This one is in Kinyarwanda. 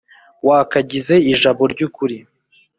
wakagize ijabo ry'ukuri,